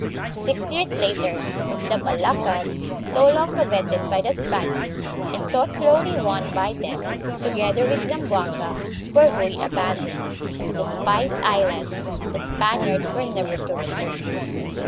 Six years later, the Moluccas, so long coveted by the Spaniards, and so slowly won by them, together with Zamboanga, were wholly abandoned, and to the Spice Islands the Spaniards were never to return.